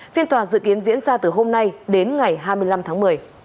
phiên tòa dự kiến diễn ra từ hôm nay đến ngày hai mươi năm tháng một mươi